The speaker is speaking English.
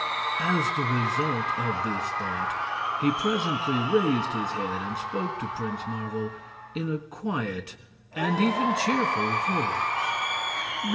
As the result of this thought he presently raised his head and spoke to Prince Marvel in a quiet and even cheerful voice.